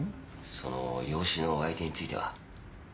その養子の相手については？